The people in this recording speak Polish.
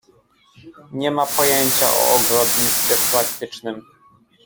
"Nie ma pojęcia o ogrodnictwie praktycznem."